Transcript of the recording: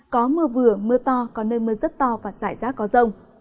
có mưa vừa mưa to có nơi mưa rất to và xảy ra có rông